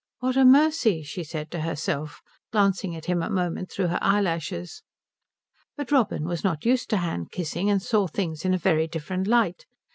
"What a mercy," she said to herself, glancing at him a moment through her eyelashes. But Robin was not used to hand kissing and saw things in a very different light.